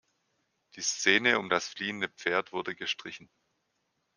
Die Szene um das fliehende Pferd wurde gestrichen.